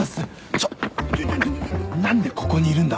ちょっ何でここにいるんだ？